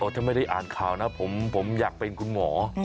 ถ้าไม่ได้อ่านข่าวนะผมอยากเป็นคุณหมอ